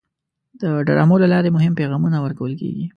د ډرامو له لارې مهم پیغامونه ورکول کېږي.